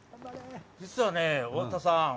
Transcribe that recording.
実はね、太田さん。